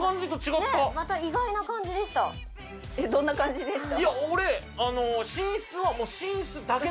どんな感じでした？